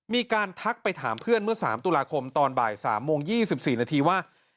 ทักไปถามเพื่อนเมื่อ๓ตุลาคมตอนบ่าย๓โมง๒๔นาทีว่า